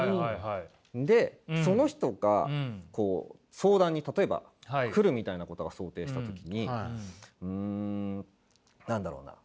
でその人がこう相談にたとえば来るみたいなことが想定した時にうん何だろうな？